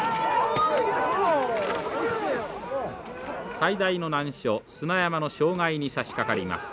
最大の難所砂山の障害にさしかかります。